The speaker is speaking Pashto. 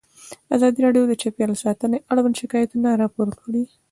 ازادي راډیو د چاپیریال ساتنه اړوند شکایتونه راپور کړي.